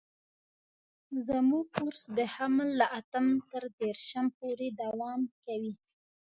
زموږ کورس د حمل له اتم تر دېرشم پورې دوام کوي.